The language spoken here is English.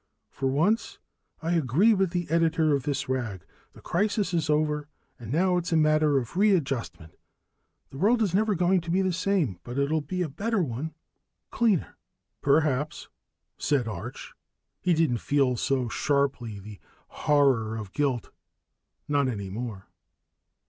"For once, I agree with the editor of this rag. The crisis is over, and now it's a matter of readjustment. The world is never going to be the same, but it'll be a better one ... cleaner." "Perhaps," said Arch. He didn't feel so sharply the horror of guilt, not any more.